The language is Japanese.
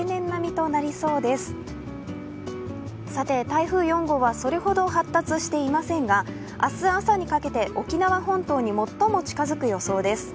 台風４号はそれほど発達していませんが明日朝にかけて沖縄本島に最も近づく予想です。